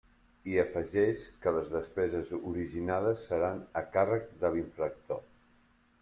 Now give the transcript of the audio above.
I afegeix que les despeses originades seran a càrrec de l'infractor.